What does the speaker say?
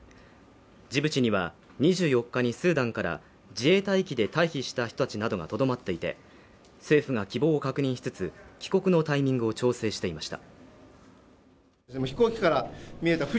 ジブチには２４日にスーダンから自衛隊機で退避した人たちなどがとどまっていて、政府が希望を確認しつつ、帰国のタイミングを調整していました。